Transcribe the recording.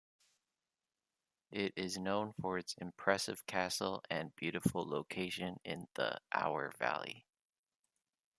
It is known for its impressive castle and beautiful location in the Our valley.